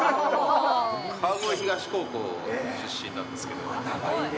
川越東高校出身なんですけど。